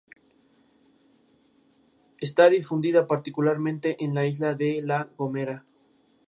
Está difundida particularmente en la isla de la Gomera.